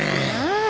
ああ。